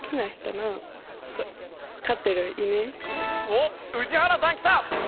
おっ宇治原さんきた！